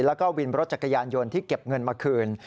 แล้วก็วินรถจักรยานยนต์ที่เก็บเงินมาคืน